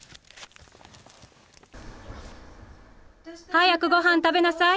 早くごはん食べなさい。